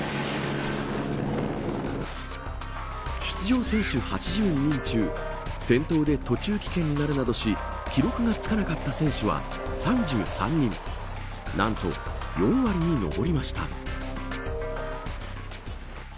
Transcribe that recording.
出場選手８２人中転倒で途中棄権になるなどし記録がつかなかった選手は３３人何と４割に上りました。